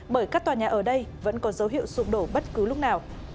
bởi các tòa nhà ở đây vẫn có dấu hiệu sụp đổ bất cứ lúc nào